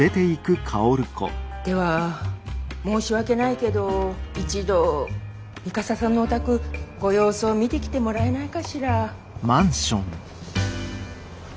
では申し訳ないけど一度三笠さんのお宅ご様子を見てきてもらえないかしら。